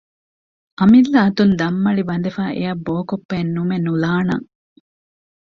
އަމިއްލަ އަތުން ދަންމަޅި ބަނދެފައި އެއަށް ބޯކޮއްޕައެއް ނުމެ ނުލާނަން